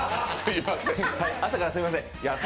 朝からすみません。